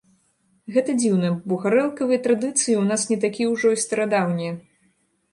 Гэта дзіўна, бо гарэлкавыя традыцыі ў нас не такія ўжо і старадаўнія.